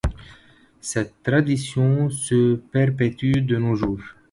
Cette tradition se perpétue de nos jours.